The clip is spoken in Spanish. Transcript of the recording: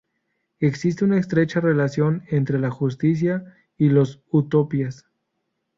Existe una estrecha relación entre la justicia y las utopías.